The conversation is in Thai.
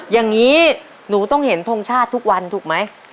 อย่างนี้หนูต้องเห็นทงชาติทุกวันถูกไหม